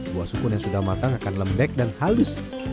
buah sukun yang sudah matang akan lembek dan halus